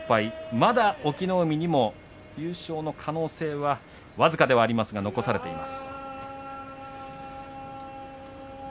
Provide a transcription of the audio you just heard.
まだ隠岐の海にも優勝の可能性は僅かではありますが残されています。